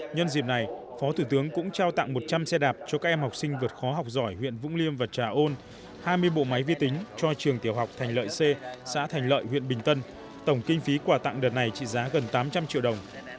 nhân dịp này phó thủ tướng cũng trao tặng một trăm linh xe đạp cho các em học sinh vượt khó học giỏi huyện vũng liêm và trà ôn hai mươi bộ máy vi tính cho trường tiểu học thành lợi c xã thành lợi huyện bình tân tổng kinh phí quà tặng đợt này trị giá gần tám trăm linh triệu đồng